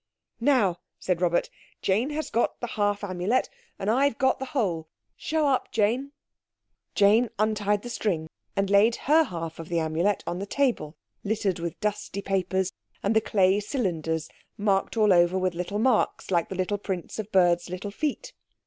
"Now," said Robert, "Jane has got the half Amulet and I've got the whole. Show up, Jane." Jane untied the string and laid her half Amulet on the table, littered with dusty papers, and the clay cylinders marked all over with little marks like the little prints of birds' little feet.